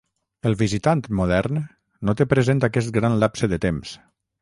El visitant modern no té present aquest gran lapse de temps.